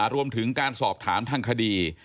รวมถึงการสอบถามทางคดี